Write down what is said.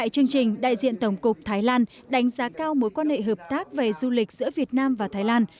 chương trình đại diện tổng cục thái lan đánh giá cao mối quan hệ hợp tác về du lịch giữa việt nam và thái lan